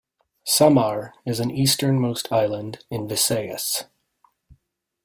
Samar is an easternmost island in Visayas.